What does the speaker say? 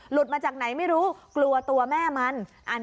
มาจากไหนไม่รู้กลัวตัวแม่มัน